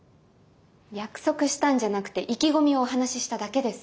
約束したんじゃなくて意気込みをお話ししただけです。